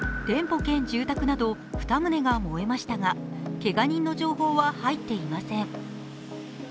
店舗兼住宅など２棟が燃えましたがけが人の情報は入っていません。